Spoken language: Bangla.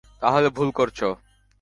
তাহলে ভুল করছ!